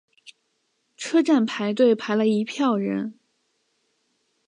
车站排队排了一票人